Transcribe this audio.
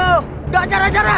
nggak ajar ajar lah